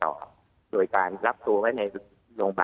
โดยการรับตัวไว้ในโรงพยาบาล